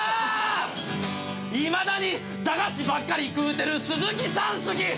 「いまだに駄菓子ばっかり食うてる鈴木さん好き」